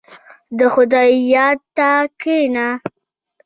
• د خدای یاد ته کښېنه.